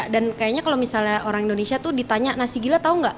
dan kayaknya kalau misalnya orang indonesia tuh ditanya nasi gila tau gak